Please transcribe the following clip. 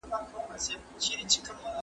زموږ ګاونډیان ډېر مهربانه خلک دي.